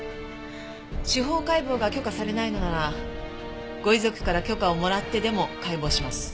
司法解剖が許可されないのならご遺族から許可をもらってでも解剖します。